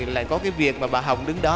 lại có cái việc mà bà hồng đứng đó